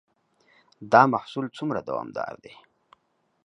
دا محصول څومره دوامدار دی؟